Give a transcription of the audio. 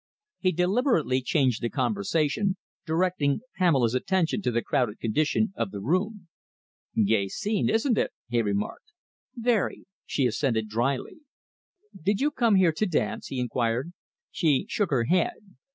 He deliberately changed the conversation, directing Pamela's attention to the crowded condition of the room. "Gay scene, isn't it?" he remarked. "Very!" she assented drily. "Do you come here to dance?" he inquired. She shook her head.